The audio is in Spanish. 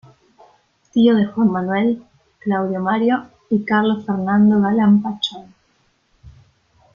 Tío de Juan Manuel, Claudio Mario y Carlos Fernando Galán Pachón.